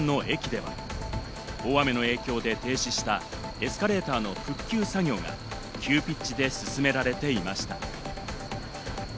東武伊勢崎線の駅では、大雨の影響で停止したエスカレーターの復旧作業が急ピッチで進められていました。